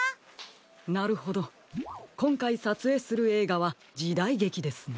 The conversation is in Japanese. なるほどこんかいさつえいするえいがはじだいげきですね？